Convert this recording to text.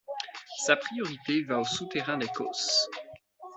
Sa priorité va aux souterrains des Causses.